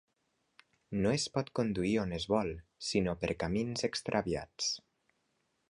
No es pot conduir on es vol, sinó per camins extraviats.